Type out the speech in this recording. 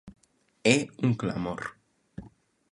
"É un clamor".